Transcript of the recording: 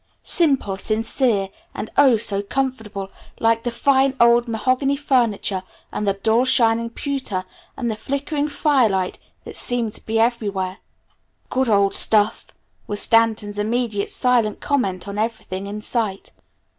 Simple, sincere, and oh, so comfortable like the fine old mahogany furniture and the dull shining pewter, and the flickering firelight, that seemed to be everywhere. "Good old stuff!" was Stanton's immediate silent comment on everything in sight.